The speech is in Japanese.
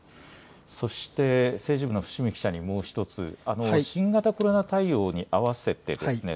そして、政治部の伏見記者にもう一つ新型コロナ対応に合わせてですね